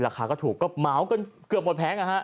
ราคาก็ถูกก็เหมากันเกือบหมดแผง